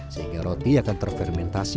sehingga roti akan terfermentasi